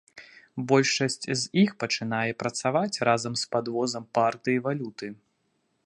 Большасць з іх пачынае працаваць разам з падвозам партыі валюты.